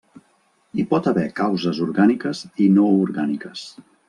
Hi pot haver causes orgàniques i no orgàniques.